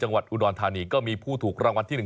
จังหวัดอุดรธานีก็มีผู้ถูกรางวัลที่๑